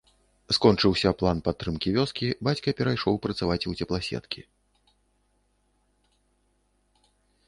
Скончыўся план падтрымкі вёскі, бацька перайшоў працаваць у цепласеткі.